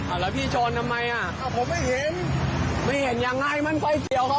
อ่าแล้วพี่ชนทำไมอ่ะอ่าผมไม่เห็นไม่เห็นยังไงมันไฟเกี่ยวเขาอุ้ย